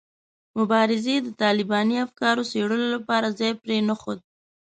مبارزې د طالباني افکارو څېړلو لپاره ځای پرې نه ښود.